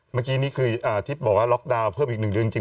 เมื่อกี้นี่คือที่บอกว่าล็อกดาวน์เพิ่มอีก๑เดือนจริง